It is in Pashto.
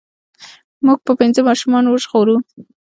مونږ به پنځه ماشومان ژغورو.